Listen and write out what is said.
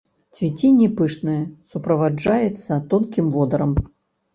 Цвіценне пышнае, суправаджаецца тонкім водарам.